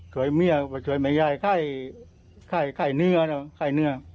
ช่วยเมียด้วยเฉยมายายค่ายเนื้อ